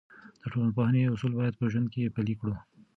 د ټولنپوهنې اصول باید په ژوند کې پلي کړو.